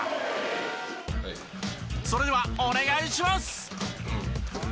それではお願いします！